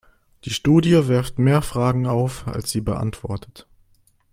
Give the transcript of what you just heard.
Die Studie wirft mehr Fragen auf, als sie beantwortet.